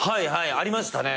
ありましたね。